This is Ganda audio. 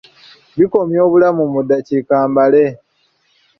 Bikomya obulamu mu ddakiika mbale.